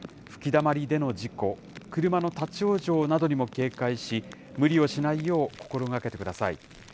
吹きだまりでの事故、車の立往生などにも警戒し、無理をしないよう心がけてください。